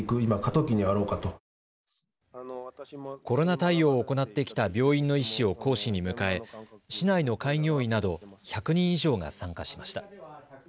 コロナ対応を行ってきた病院の医師を講師に迎え市内の開業医など１００人以上が参加しました。